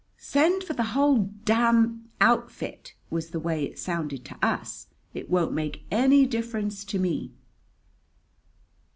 "Send for the whole d d outfit!" was the way it sounded to us. "It won't make any difference to me."